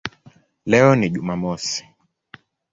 Leo ni Jumamosi".